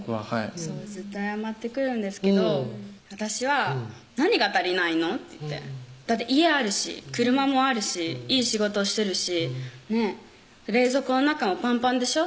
ずっと謝ってくるんですけど私は「何が足りないの？」って言って「だって家あるし車もあるしいい仕事してるし冷蔵庫の中もパンパンでしょ？」